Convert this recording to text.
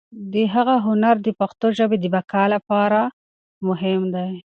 د هغه هنر د پښتو ژبې د بقا لپاره مهم دی.